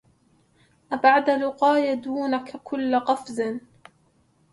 أبعد لقاي دونك كل قفر